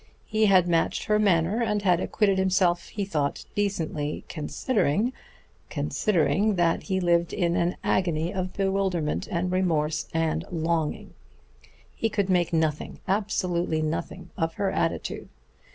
He had matched her manner and had acquitted himself, he thought, decently, considering ... considering that he lived in an agony of bewilderment and remorse and longing. He could make nothing, absolutely nothing, of her attitude.